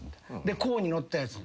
甲にのったやつ。